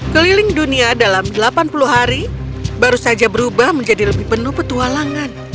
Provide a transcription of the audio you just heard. keliling dunia dalam delapan puluh hari baru saja berubah menjadi lebih penuh petualangan